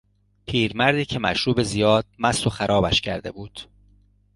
پیرمردی که مشروب زیاد مست و خرابش کرده بود